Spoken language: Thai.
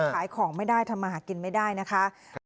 ขายของไม่ได้ทำมาหากินไม่ได้นะคะ